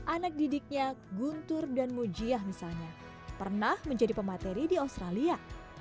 anak didiknya guntur dan mujiah misalnya pernah menjadi pemateri di australia